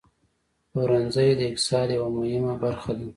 پلورنځی د اقتصاد یوه مهمه برخه ده.